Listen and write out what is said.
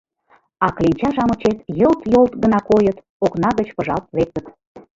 А кленча-шамычет йылт-йолт гына койыт, окна гыч пыжалт лектыт.